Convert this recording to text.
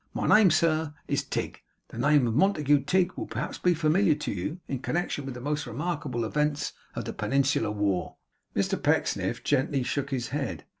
My name, sir, is Tigg. The name of Montague Tigg will perhaps be familiar to you, in connection with the most remarkable events of the Peninsular War?' Mr Pecksniff gently shook his head.